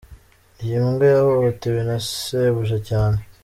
Iyi mbwa yahohotewe na shebuja cyane.